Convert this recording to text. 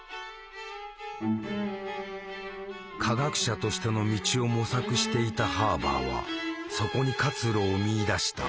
化学者としての道を模索していたハーバーはそこに活路を見いだした。